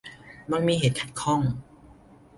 มักมีเหตุขัดข้อง